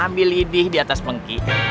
ambil lidih di atas pengki